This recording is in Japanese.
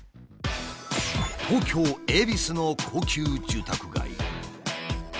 東京恵比寿の高級住宅街。